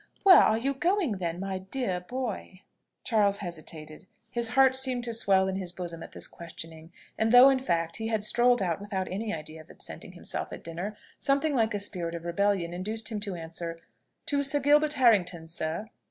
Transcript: Where are you going, then, my dear boy?" Charles hesitated. His heart seemed to swell in his bosom at this questioning; and though, in fact, he had strolled out without any idea of absenting himself at dinner, something like a spirit of rebellion induced him to answer, "To Sir Gilbert Harrington's, sir."